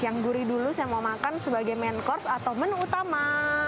yang gurih dulu saya mau makan sebagai main course atau menu utama